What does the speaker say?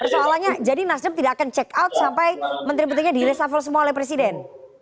soalnya jadi nasdam tidak akan check out sampai menteri menterinya diresafel semua oleh presiden